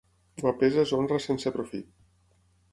Guapesa és honra sense profit.